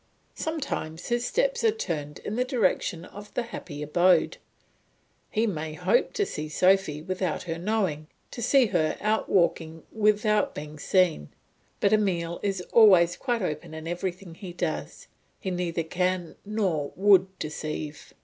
Sometimes his steps are turned in the direction of the happy abode; he may hope to see Sophy without her knowing, to see her out walking without being seen. But Emile is always quite open in everything he does; he neither can nor would deceive.